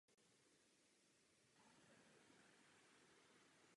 Nikdo Irsko k druhému hlasování o Lisabonu nenutil.